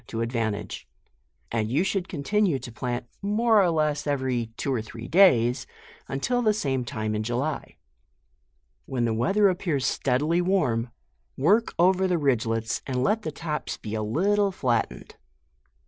143 to advantage; and you should continue to plant more or less every two or three days, until the same time in July, When the weather appears steadily warm, work over the ridglels, and let the tops be a little flatened.